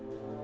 đặc biệt là